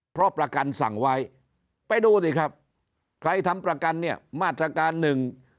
เพราะประกันสั่งไว้ไปดูสิครับใครทำประกันเนี่ยมาตรการหนึ่ง